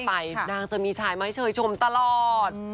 นางจะมีชายมาให้เชยชมตลอด